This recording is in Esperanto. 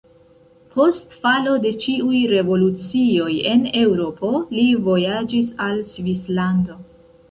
Post falo de ĉiuj revolucioj en Eŭropo li vojaĝis al Svislando.